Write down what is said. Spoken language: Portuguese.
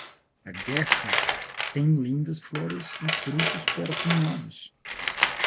A guerra tem lindas flores e frutos perfumados.